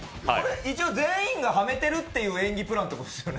一応、全員がはめてるっていう演技プランですよね。